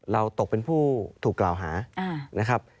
เราตกเป็นผู้ถูกกล่าวหา